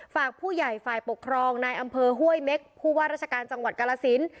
ฝากผู้ใหญ่ฝ่ายปกครองในอำเภอห้วยเม็กผู้ว่าราชการจังหวัดกาลสิน